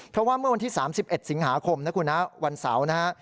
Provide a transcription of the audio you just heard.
เพราะว่าเมื่อวันที่สามสิบเอ็ดสิงหาคมนะครับคุณฮะวันเสาร์นะฮะ